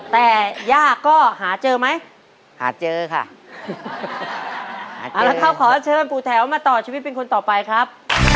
แต่ย่าก็หาเจอไหมหาเจอค่ะเอาละครับขอเชิญปู่แถวมาต่อชีวิตเป็นคนต่อไปครับ